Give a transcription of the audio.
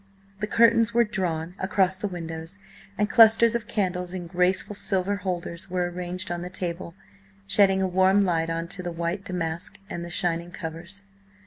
The curtains were drawn across the windows, and clusters of candles in graceful silver holders were arranged on the table, shedding a warm light on to the white damask and the shining covers.